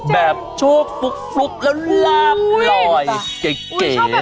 แบบโชคฟลุกแล้วลาบลอยเก๋